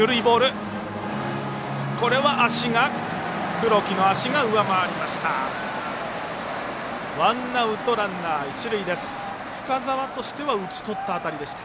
黒木の足が上回りました。